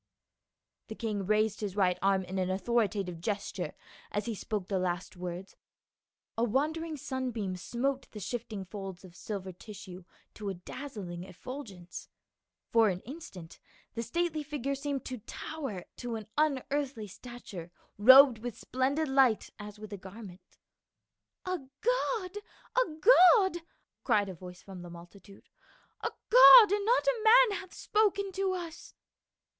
The king raised his right arm in an authoritative gesture as he spoke the last words ; a wandering sunbeam smote the shifting folds of silver tissue to a dazzling effulgence. For an instant the stately figure seemed to tower to an unearthly stature, robed with splendid light as with a garment. "A god ! A god !" cried a voice from the multi tude. "A god and not a man hath spoken to us